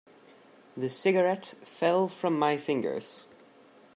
The cigarette fell from my fingers.